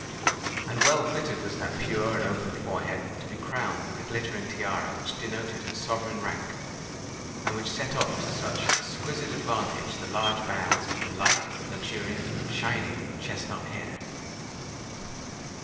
And well fitted was that pure and open forehead to be crowned with the glittering tiara which denoted her sovereign rank, and which set off to such exquisite advantage the large bands of her light, luxuriant, shining, chesnut hair!